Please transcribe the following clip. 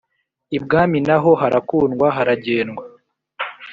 ibwami na ho harakundwa haragendwa.